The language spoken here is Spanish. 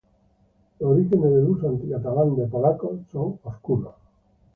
Los orígenes del uso anti-catalán de "polacos" son oscuros.